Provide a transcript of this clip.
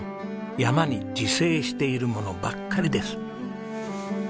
山に自生しているものばっかりです。